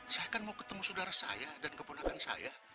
saya kan mau ketemu saudara saya dan keponakan saya